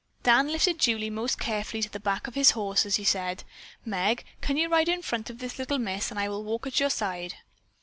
Dan lifted Julie most carefully to the back of his horse as he said: "Meg, can you ride in front of this little miss and I will walk at your side?"